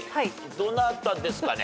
どなたですかね？